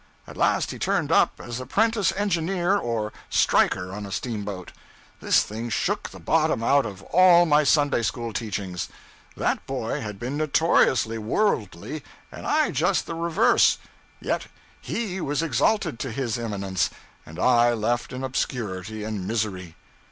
At last he turned up as apprentice engineer or 'striker' on a steamboat. This thing shook the bottom out of all my Sunday school teachings. That boy had been notoriously worldly, and I just the reverse; yet he was exalted to this eminence, and I left in obscurity and misery.